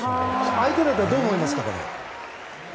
相手だったらどう思いますかね。